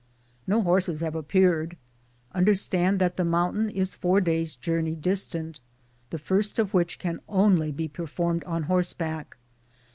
No horses have appeared. Understand that the mountain is four days' journey distant the first of which can only be performed on horseback.